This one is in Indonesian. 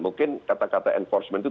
mungkin kata kata enforcement itu